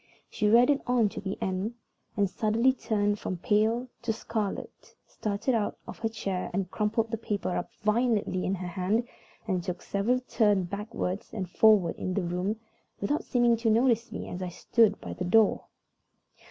She read on to the end, and suddenly turned from pale to scarlet, started out of her chair, crumpled the letter up violently in her hand, and took several turns backward and forward in the room, without seeming to notice me as I stood by the door.